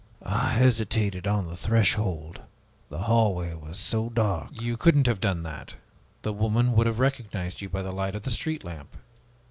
"I hesitated on the threshold the hallway was so dark." "You couldn't have done that. The woman would have recognized you by the light of the street lamp."